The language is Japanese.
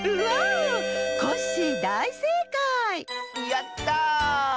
やった！